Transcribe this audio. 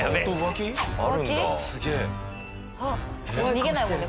逃げないもんね